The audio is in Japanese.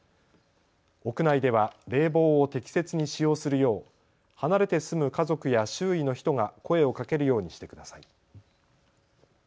屋内では冷房を適切に使用するよう、離れて住む家族や周囲の人が声をかけるようにしてください。